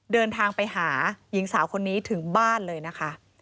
เดินทางไปหาหญิงสาวคนนี้ถึงบ้านเลยนะคะ